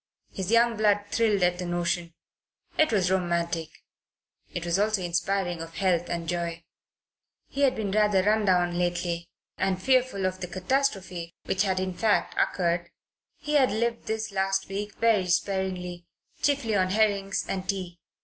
His young blood thrilled at the notion. It was romantic. It was also inspiring of health and joy. He had been rather run down lately, and, fearful of the catastrophe which had in fact occurred, he had lived this last week very sparingly chiefly on herrings and tea.